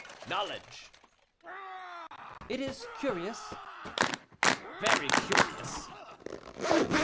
"Knowledge." "It is curious." "Very curious."